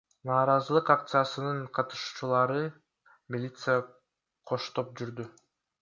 Нааразылык акциясынын катышуучуларын милиция коштоп жүрдү.